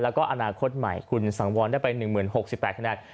แล้วก็อนาคตใหม่คุณสังวรได้ไป๑๐๖๘คะแนน